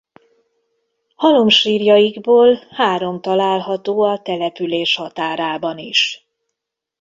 Halomsírjaikból három található a település határában is.